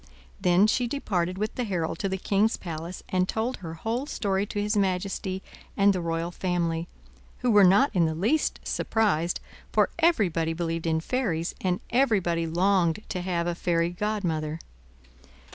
Then she departed with the herald to the king's palace, and told her whole story to his majesty and the royal family, who were not in the least surprised, for everybody believed in fairies, and everybody longed to have a fairy godmother.